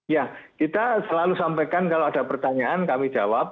ya kita selalu sampaikan kalau ada pertanyaan kami jawab